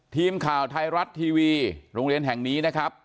ทีมข่าวไทยรัฐทีวีโรงเรียนแห่งนี้นะครับ